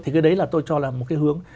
thì cái đấy là tôi cho là một cái hướng